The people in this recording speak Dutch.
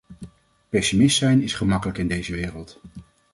Pessimist zijn is gemakkelijk in deze wereld.